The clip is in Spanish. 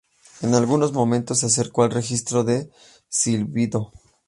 En algunos momentos se acerca al registro de silbido.